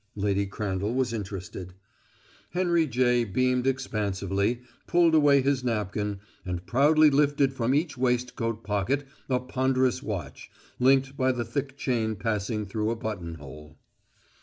Lady Crandall was interested. Henry J. beamed expansively, pulled away his napkin, and proudly lifted from each waistcoat pocket a ponderous watch, linked by the thick chain passing through a buttonhole.